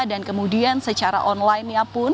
dan kemudian secara online nya pun